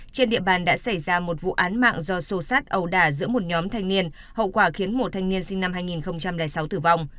trên địa bàn đã xảy ra một vụ án mạng do xô xát ẩu đả giữa một nhóm thanh niên hậu quả khiến một thanh niên sinh năm hai nghìn sáu tử vong